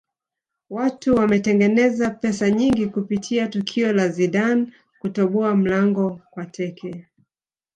watu wametengeneza pesa nyingi kupitia tukio la zidane kutoboa mlango kwa teke